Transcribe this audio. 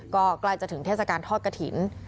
ก็ใกล้จะถึงเทศกาลทอดกระถิ่น